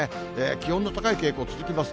気温の高い傾向、続きます。